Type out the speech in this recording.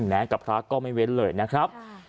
แม้กับพระก็ไม่เว้นเลยนะครับ